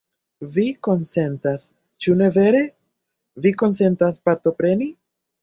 Vi konsentas, ĉu ne vere? Vi konsentas partopreni?